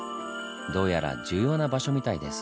どうやら重要な場所みたいです。